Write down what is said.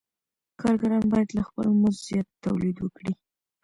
کارګران باید له خپل مزد زیات تولید وکړي